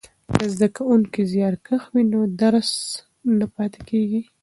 که زده کوونکی زیارکښ وي نو درس نه پاتیږي.